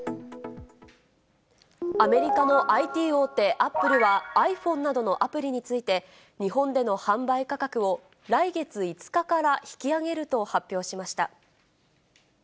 アメリカのＩＴ大手、アップルは、ｉＰｈｏｎｅなどのアプリについて、日本での販売価格を来月５日から引き上げると発表しました。